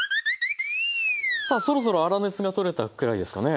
さあそろそろ粗熱が取れたくらいですかね。